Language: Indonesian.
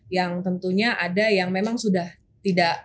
yang tentunya ada yang memang sudah tidak